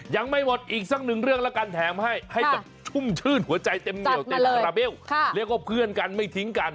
ยังไม่หมดอีกสักหนึ่งเรื่องแล้วกันแถมให้ให้แบบชุ่มชื่นหัวใจเต็มเหนียวเต็มคาราเบลเรียกว่าเพื่อนกันไม่ทิ้งกัน